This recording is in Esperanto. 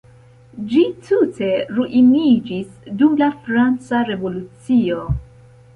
Ĝi tute ruiniĝis dum la franca revolucio.